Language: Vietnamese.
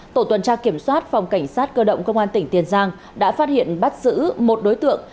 tổ tuần tra kiểm soát phòng cảnh sát cơ động công an tỉnh tiền giang đã phát hiện bắt giữ một đối tượng